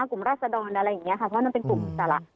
กลุ่มรัศดรอะไรอย่างนี้เพราะว่านั่นเป็นกลุ่มตลาด